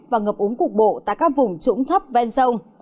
và ngập úng cục bộ tại các vùng trũng thấp ven sông